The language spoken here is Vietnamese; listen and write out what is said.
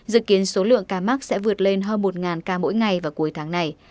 dự kiến số lượng ca mắc sẽ vượt lên hơn một ca mỗi ngày vào cuối tháng này